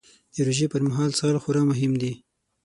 د روژې پر مهال څښل خورا مهم دي